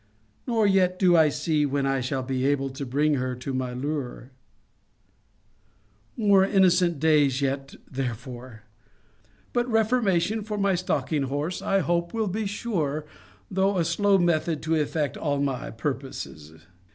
Nor yet do I see when I shall be able to bring her to my lure: more innocent days yet, therefore! But reformation for my stalking horse, I hope, will be a sure, though a slow method to effect all my purposes.